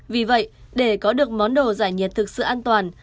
vì vậy để có được món đồ giải nhiệt thực sự an toàn